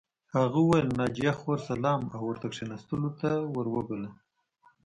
هغه وویل ناجیه خور سلام او ورته کښېناستلو ته ور وبلله